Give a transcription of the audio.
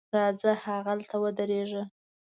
راځه هغلته ودرېږه.